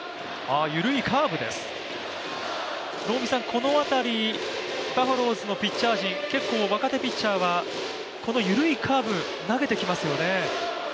この辺り、バファローズのピッチャー陣、若手ピッチャーはこの緩いカーブ投げてきますよね？